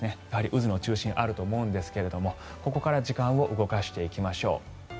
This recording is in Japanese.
やはり渦の中心があると思いますがここから時間を動かしていきましょう。